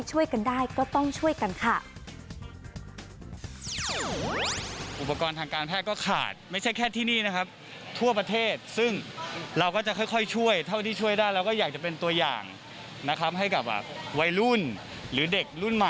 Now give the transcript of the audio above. ช่วยกันได้ก็ต้องช่วยกันค่ะ